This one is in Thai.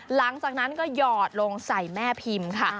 หลังจากนั้นก็หยอดลงใส่แม่พิมพ์ค่ะ